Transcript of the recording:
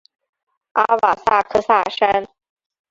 阿瓦萨克萨山。